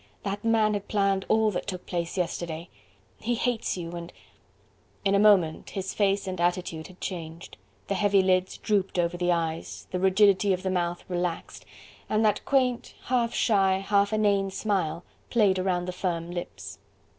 That man had planned all that took place yesterday. He hates you, and ..." In a moment his face and attitude had changed, the heavy lids drooped over the eyes, the rigidity of the mouth relaxed, and that quaint, half shy, half inane smile played around the firm lips.